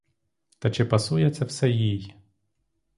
Та чи пасує це все їй?